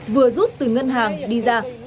vừa rút từ ngân hàng đi ra